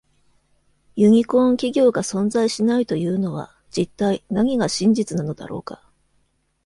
ユニコーン企業が存在しないというのは「実体」何が真実なのだろうか?